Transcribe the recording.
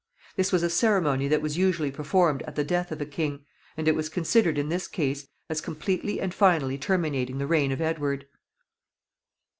This was a ceremony that was usually performed at the death of a king, and it was considered in this case as completely and finally terminating the reign of Edward.